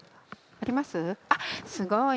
あっすごい。